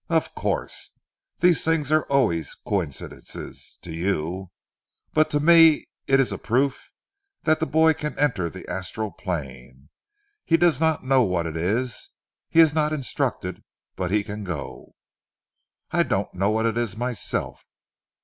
"Of course. These things are always coincidences to you. But to me it is a proof that the boy can enter the astral plane. He does not know what it is; he is not instructed but he can go." "I don't know what it is myself."